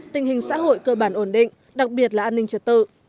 tình hình xã hội cơ bản ổn định đặc biệt là an ninh trật tự